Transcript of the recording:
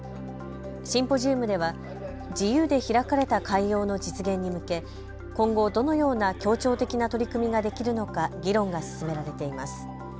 シンポジウムでは自由で開かれた海洋の実現に向け今後、どのような協調的な取り組みができるのか議論が進められています。